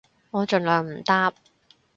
我盡量唔搭